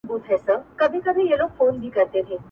مُلا وویل نیم عمر دي تباه سو-